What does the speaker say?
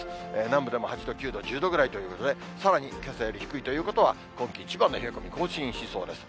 南部でも８度、９度、１０度ぐらいということで、さらにけさより低いということは、今季一番の冷え込み、更新しそうです。